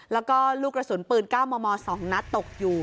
แล้วก็ลูกกระสุนปืน๙มม๒นัดตกอยู่